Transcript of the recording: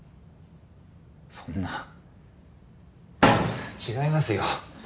そんな違いますよ！